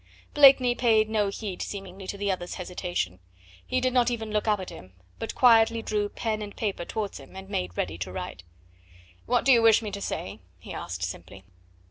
Blakeney paid no heed seemingly to the other's hesitation. He did not even look up at him, but quietly drew pen and paper towards him, and made ready to write. "What do you wish me to say?" he asked simply.